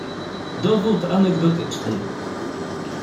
Dowód anegdotyczny